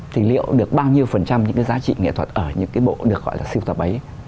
thì liệu được bao nhiêu phần trăm những cái giá trị nghệ thuật ở những cái bộ được gọi là siêu tập ấy